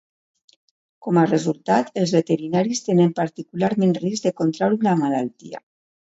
Com a resultat, els veterinaris tenen particularment risc de contraure la malaltia.